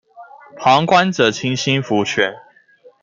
旁觀者清心福全